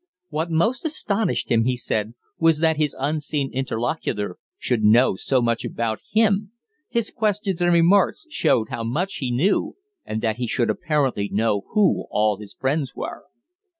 What most astonished him, he said, was that his unseen interlocutor should know so much about him his questions and remarks showed how much he knew and that he should apparently know who all his friends were.